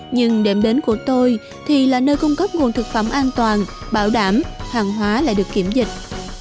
nhưng đệm đến của tôi thì là nơi cung cấp nguồn thực phẩm an toàn bảo đảm hàng hóa lại được kiểm dịch